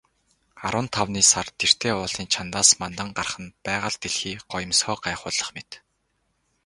Арван тавны сар тэртээ уулын чанадаас мандан гарах нь байгаль дэлхий гоёмсгоо гайхуулах мэт.